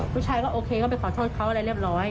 ผู้ชายก็โอเคก็ไปขอโทษเขาอะไรเรียบร้อย